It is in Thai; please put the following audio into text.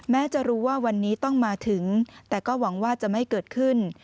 แม้จะรู้ว่าวันนี้ต้องมาถึงแต่ก็หวังว่าจะไม่เกิดขึ้น